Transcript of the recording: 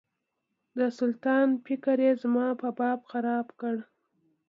د سلطان فکر یې زما په باب خراب کړ.